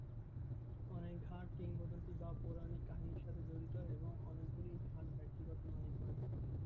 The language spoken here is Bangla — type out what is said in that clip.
অনেক ঘাট কিংবদন্তী বা পৌরাণিক কাহিনীর সাথে জড়িত এবং অনেকগুলি ঘাট ব্যক্তিগত মালিকানাধীন।